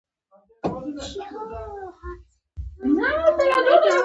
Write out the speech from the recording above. کسر معاش څه ډول جریمه ده؟